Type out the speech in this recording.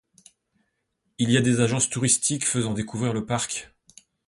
Il y a des agences touristiques faisant découvrir le parc.